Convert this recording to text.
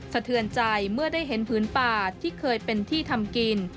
เทือนใจเมื่อได้เห็นพื้นป่าที่เคยเป็นที่ทำกิน